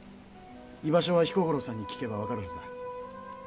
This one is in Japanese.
居場所は彦五郎さんに聞けば分かるはずだ。